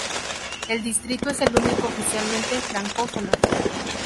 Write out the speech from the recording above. El distrito es el único oficialmente francófono.